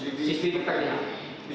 di cctv tak lihat